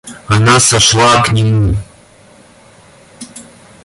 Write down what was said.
Она сошла к нему.